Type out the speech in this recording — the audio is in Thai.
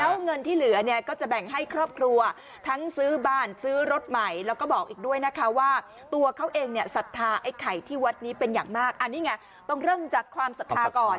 แล้วเงินที่เหลือเนี่ยก็จะแบ่งให้ครอบครัวทั้งซื้อบ้านซื้อรถใหม่แล้วก็บอกอีกด้วยนะคะว่าตัวเขาเองเนี่ยศรัทธาไอ้ไข่ที่วัดนี้เป็นอย่างมากอันนี้ไงต้องเริ่มจากความศรัทธาก่อน